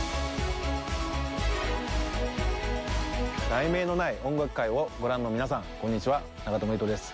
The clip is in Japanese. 『題名のない音楽会』をご覧の皆さんこんにちは長友佑都です。